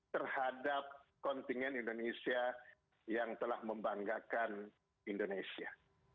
terhadap kontingen indonesia yang telah membanggakan indonesia